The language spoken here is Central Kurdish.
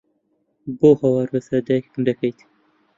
بۆ هاوار بەسەر دایکم دەکەیت؟!